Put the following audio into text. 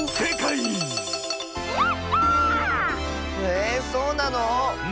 えそうなの⁉